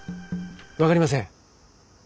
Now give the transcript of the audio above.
分かりません。